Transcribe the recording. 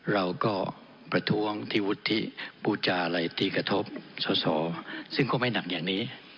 เราก็ประท้วงที่วุฒิพูดจาอะไรที่กระทบสอสอซึ่งก็ไม่หนักอย่างนี้